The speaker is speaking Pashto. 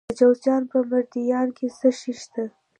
د جوزجان په مردیان کې څه شی شته؟